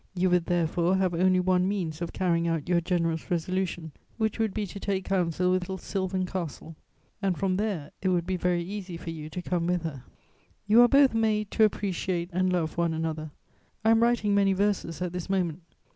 You would therefore have only one means of carrying out your generous resolution, which would be to take counsel with Madame de Clermont, who would bring you one day to her little sylvan castle, and from there it would be very easy for you to come with her. You are both made to appreciate and love one another.... I am writing many verses at this moment.